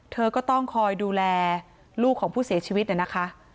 เธอก็ต้องคอยดูแลลูกของผู้เสียชีวิตเนี่ยนะคะ